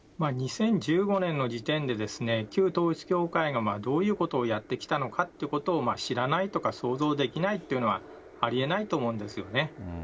２０１５年の時点で、旧統一教会がどういうことをやってきたのかということを、知らないとか、想像できないっていうのは、ありえないと思うんですよね。